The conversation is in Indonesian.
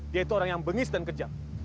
dia itu orang yang bengis dan kejam